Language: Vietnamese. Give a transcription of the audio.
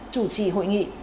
chủ trì hội nghị